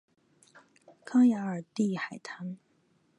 康雅尔蒂海滩。